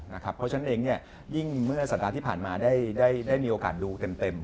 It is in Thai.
เพราะฉะนั้นเองยิ่งเมื่อสัปดาห์ที่ผ่านมาได้มีโอกาสดูเต็ม